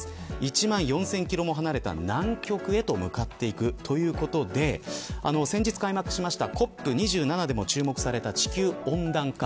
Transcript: １万４０００キロ離れた南極に向かっていくということで先日開幕したＣＯＰ２７でも注目された地球温暖化